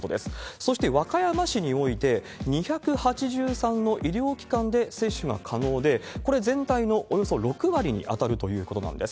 そして和歌山市において、２８３の医療機関で接種が可能で、これ、全体のおよそ６割に当たるということなんです。